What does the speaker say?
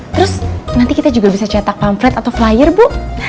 terus nanti kita juga bisa cetak pamflet atau flyer bu